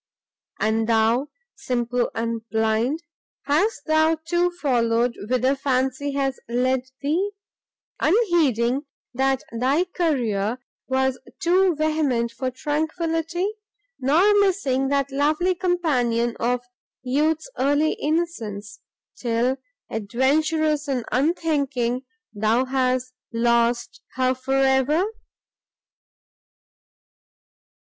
And thou, simple and blind! hast thou, too, followed whither Fancy has led thee, unheeding that thy career was too vehement for tranquility, nor missing that lovely companion of youth's early innocence, till, adventurous and unthinking, thou hast lost her for ever!"